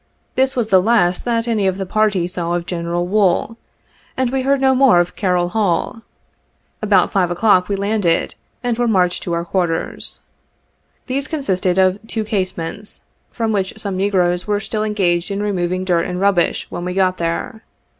This was the last that any of the party saw of General Wool, and we heard no more of Car roll Hall. About 5 o'clock we landed, and were marched to our quarters. These consisted of two casemates, from which some negroes were still engaged in removing dirt and rubbish, when we got there.